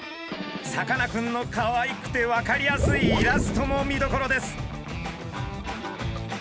さかなクンのかわいくて分かりやすいイラストも見どころです。